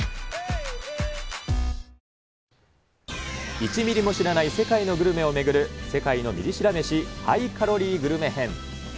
１ミリも知らない世界のグルメを巡る、世界のミリ知ら飯ハイカロリーグルメ編。